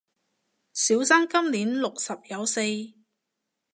小生今年六十有四